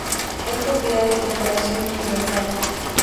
Es propiedad de Corporación Universal.